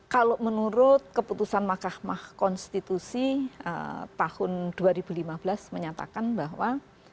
kalau menurut keputusan mahkamah konstitusi tahun dua ribu lima belas menyatakan bahwa